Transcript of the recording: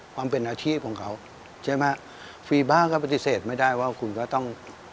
ความเป็นอาชีพของเขาใช่ไหมฟรีบ้างก็ปฏิเสธไม่ได้ว่าคุณก็ต้อง